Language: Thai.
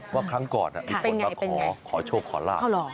ว่าครั้งก่อนมีคนมาขอโชคขอลาบ